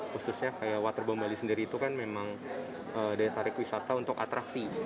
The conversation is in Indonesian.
khususnya kayak waterbom bali sendiri itu kan memang daya tarik wisata untuk atraksi